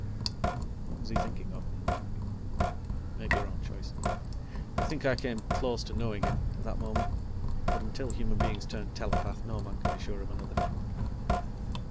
_" What was he thinking of? Make your own choice. I think I came close to knowing him, at that moment, but until human beings turn telepath, no man can be sure of another.